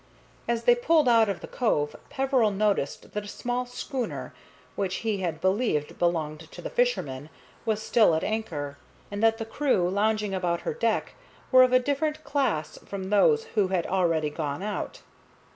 As they pulled out of the cove Peveril noticed that a small schooner, which he had believed belonged to the fishermen, was still at anchor, and that the crew lounging about her deck were of a different class from those who had already gone out.